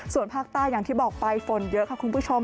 ส่วนภาคใต้อย่างที่บอกไปฝนเยอะค่ะคุณผู้ชม